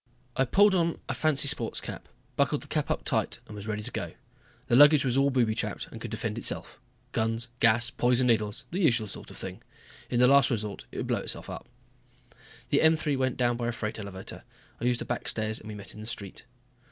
I pulled on a fancy sports cap, buckled the cape up tight, and was ready to go. The luggage was all booby trapped and could defend itself. Guns, gas, poison needles, the usual sort of thing. In the last resort it would blow itself up. The M 3 went down by a freight elevator. I used a back stairs and we met in the street.